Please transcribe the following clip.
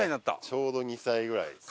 ちょうど２歳ぐらいですね。